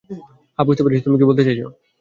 হ্যাঁ, বুঝতে পেরেছি তুমি কি বলতে চাইছো।